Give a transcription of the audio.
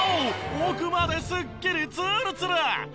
奥まですっきりツルツル！